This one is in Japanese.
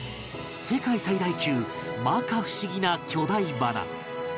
世界最大級摩訶不思議な巨大花